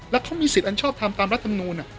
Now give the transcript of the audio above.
แล้วเขามีสิทธิอันชอบทำตามรัฐมนูล